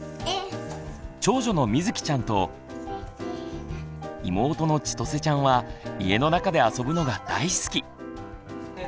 長女のみずきちゃんと妹のちとせちゃんは家の中で遊ぶのが大好き。